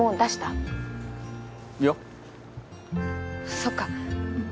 そっか。